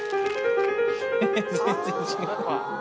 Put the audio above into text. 全然違う。